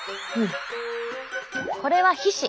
これは皮脂。